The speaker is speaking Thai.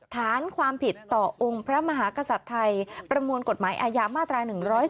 ฐานความผิดต่อองค์พระมหากษัตริย์ไทยประมวลกฎหมายอาญามาตรา๑๔